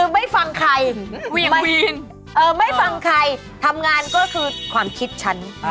มันไม่ได้มันมัน